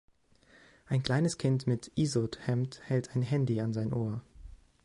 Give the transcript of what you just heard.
Ein kleines Kind mit Izod-Hemd hält ein Handy an sein Ohr.